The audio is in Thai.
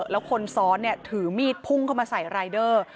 แล้วคนซ้อนถือมีดพุ่งเข้ามาใส่รายเดอร์